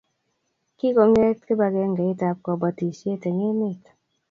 Kikongeet kibagengeitab kobotisiet eng emet